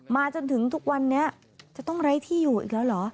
จนถึงทุกวันนี้จะต้องไร้ที่อยู่อีกแล้วเหรอ